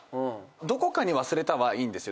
どこかに忘れたはいいんですよ